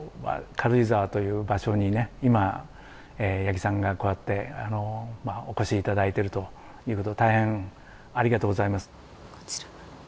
軽井沢という場所に今八木さんがこうやってお越しいただいてるということで大変ありがとうございます。